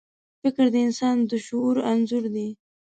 فکر د انسان د شعور انځور دی.